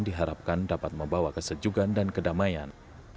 diharapkan dapat membawa kesejukan dan kedamaian